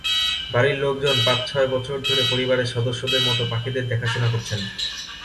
বাড়ির লোকজন পাঁচ-ছয় বছর ধরে পরিবারের সদস্যদের মতো পাখিদের দেখাশোনা করছেন।